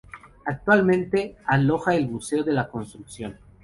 Actualmente, aloja el Museo de la Construcción.